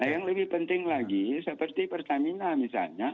yang lebih penting lagi seperti pertamina misalnya